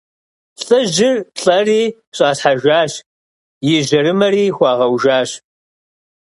Лӏыжьыр лӏэри щӏалъхьэжащ и жьэрымэри хуагъэужащ.